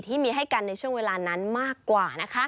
ที่มีให้กันในเวลานั้นมากกว่า